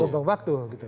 buang buang waktu gitu